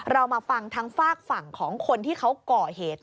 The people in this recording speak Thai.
เรามาฟังทั้งฝากฝั่งของคนที่เขาก่อเหตุ